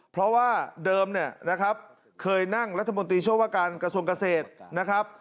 เพราะว่าเดิมเนี่ยนะครับเคยนั่งรัฐมนตรีช่วยว่าการกระทรวงเกษตรนะครับ